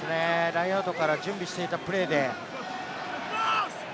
ラインアウトから準備していたプレーで。